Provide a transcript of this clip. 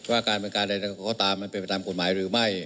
ว่าการบริการใดก็ตามมันเป็นไปตามกฎหมายหรือไม่